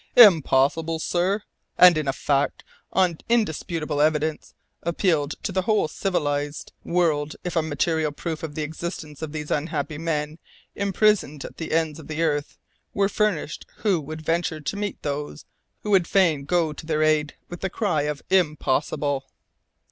"Impossible, sir! And if a fact, on indisputable evidence, appealed to the whole civilized world; if a material proof of the existence of these unhappy men, imprisoned at the ends of the earth, were furnished, who would venture to meet those who would fain go to their aid with the cry of 'Impossible!'"